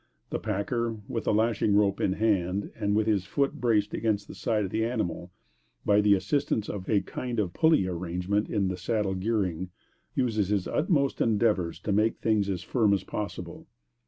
The packer, with the lashing rope in hand, and with his foot braced against the side of the animal, by the assistance of a kind of pulley arrangement in the saddle gearing, uses his utmost endeavors to make things as firm as possible.